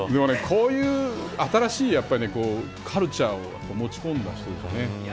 こういう新しいカルチャーを持ち込んだ人ですよね。